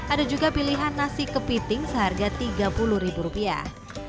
ada juga pilihan nasi kepiting seharga tiga puluh ribu rupiah